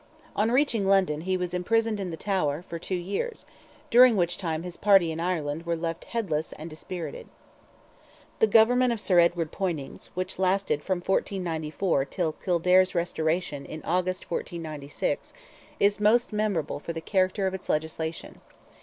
On reaching London, he was imprisoned in the Tower, for two years, during which time his party in Ireland were left headless and dispirited. The government of Sir Edward Poynings, which lasted from 1494 till Kildare's restoration, in August, 1496, is most memorable for the character of its legislation.